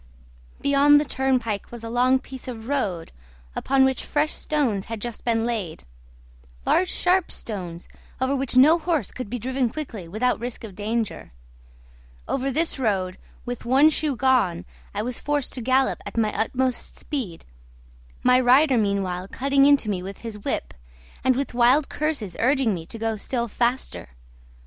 Beyond the turnpike was a long piece of road, upon which fresh stones had just been laid large sharp stones, over which no horse could be driven quickly without risk of danger. Over this road, with one shoe gone, I was forced to gallop at my utmost speed, my rider meanwhile cutting into me with his whip, and with wild curses urging me to go still faster.